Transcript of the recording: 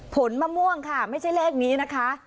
ผลมะม่วงค่ะไม่ใช่เลขนี้นะคะ